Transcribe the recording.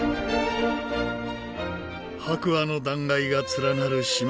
白亜の断崖が連なる島の北東部。